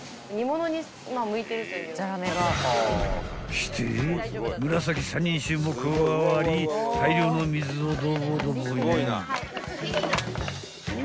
［して紫三人衆も加わり大量の水をドボドボイン］